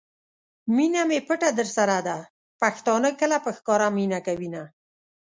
مینه می پټه درسره ده ؛ پښتانه کله په ښکاره مینه کوینه